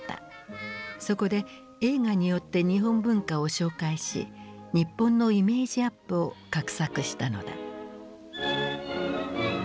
そこで映画によって日本文化を紹介し日本のイメージアップを画策したのだ。